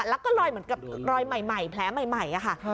แล้วก็ลอยเหมือนกับรอยใหม่แผลใหม่ค่ะ